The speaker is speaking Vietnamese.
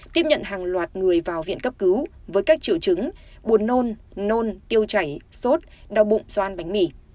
tiếp nhận hàng loạt người vào viện cấp cứu với các triệu chứng buồn nôn nôn tiêu chảy sốt đau bụng xoa ăn bánh mì